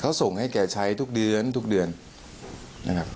เขาส่งให้แกใช้ทุกเดือนทุกเดือนนะครับ